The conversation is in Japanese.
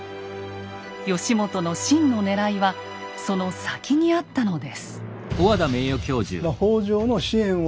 義元の真のねらいはその先にあったのです。